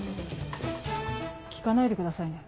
聞かないでくださいね。